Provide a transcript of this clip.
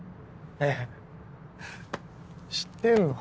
ねえ知ってんの？